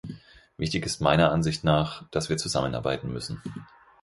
Wichtig ist meiner Ansicht nach, dass wir zusammenarbeiten müssen.